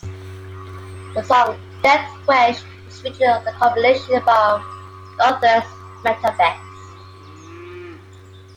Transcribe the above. The song "Death Wish" is featured on the compilation album "Northwest Metalfest".